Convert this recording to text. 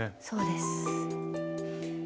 そうです。